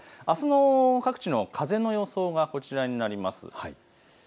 あすの各地の風の予想がこちらです。